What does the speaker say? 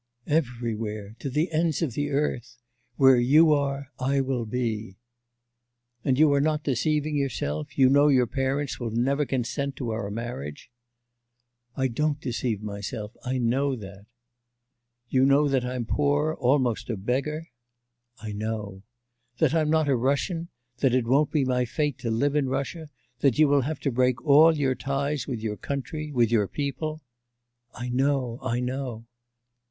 'Everywhere, to the ends of the earth. Where you are, I will be.' 'And you are not deceiving yourself, you know your parents will never consent to our marriage?' 'I don't deceive myself; I know that.' 'You know that I'm poor almost a beggar.' 'I know.' 'That I'm not a Russian, that it won't be my fate to live in Russia, that you will have to break all your ties with your country, with your people.' 'I know, I know.